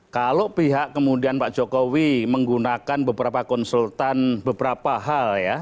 kalau pihak kemudian pak jokowi menggunakan beberapa konsultan beberapa hal ya